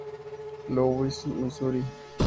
Louis, Misuri.